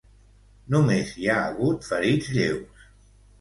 Només hi ha hagut ferits lleus.